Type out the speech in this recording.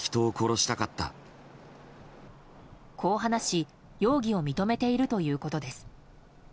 こう話し容疑を認めているということです。